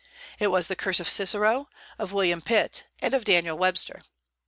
It was the curse of Cicero, of William Pitt, and of Daniel Webster.